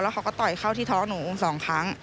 แล้วเขาก็ต่อยเขาที่ท้องหนู๒ครั้ง